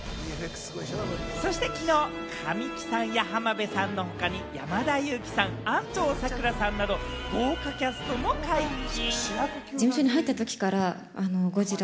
そして、きのう神木さんや浜辺さんの他に山田裕貴さん、安藤サクラさんなど、豪華キャストも解禁。